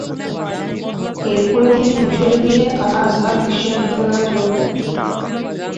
এরপর তিনি মিশরে গিয়ে আল-আজহার বিশ্ববিদ্যালয়ে যোগ দেন।